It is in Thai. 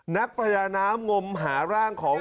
นักประดาน้ำงมหาร่างของ